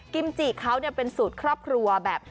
จิเขาเป็นสูตรครอบครัวแบบ